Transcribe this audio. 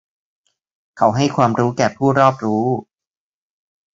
เขาให้ความรู้แก่ผู้รอบรู้